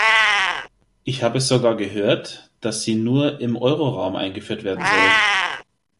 Ich habe sogar gehört, dass sie nur im Euroraum eingeführt werden soll.